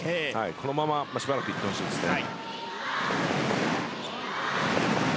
このまましばらく行ってほしいですね。